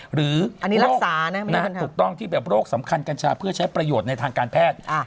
หรือโรคสำคัญกัญชาเพื่อใช้ประโยชน์ในทางการแพทย์